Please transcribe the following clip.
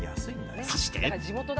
そして。